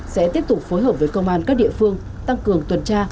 sẽ tiếp tục phối hợp với công an các địa phương tăng cường tuần tra